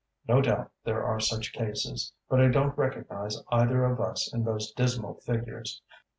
No doubt there are such cases; but I don't recognize either of us in those dismal figures.